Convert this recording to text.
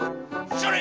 それ！